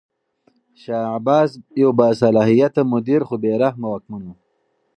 شاه عباس یو باصلاحیته مدیر خو بې رحمه واکمن و.